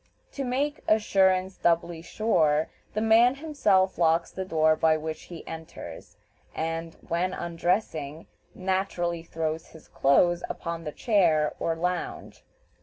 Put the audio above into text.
To make "assurance doubly sure," the man himself locks the door by which he enters, and, when undressing, naturally throws his clothes upon the chair or lounge.